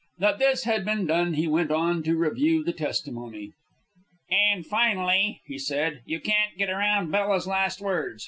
That this had been done, he went on to review the testimony. "And, finally," he said, "you can't get around Bella's last words.